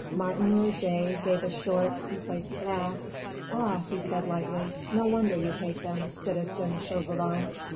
Martin Roget gave a short, complacent laugh. "Ah," he said lightly, "no wonder you hate them, citizen Chauvelin.